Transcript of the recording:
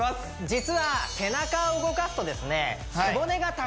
実は背中を動かすとですね